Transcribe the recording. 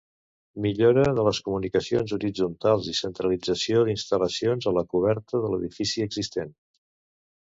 Millora de les comunicacions horitzontals i centralització d'instal·lacions a la coberta de l'edifici existent.